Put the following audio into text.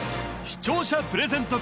視聴者プレゼント